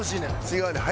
違うねん。